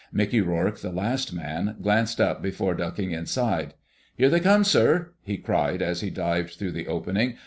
Mickey Rourke, the last man, glanced up before ducking inside. "Here they come, sir!" he cried, as he dived through the opening.